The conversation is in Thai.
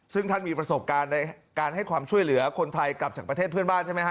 ซึ่งท่านมีประสบการณ์ในการให้ความช่วยเหลือคนไทยกลับจากประเทศเพื่อนบ้านใช่ไหมฮ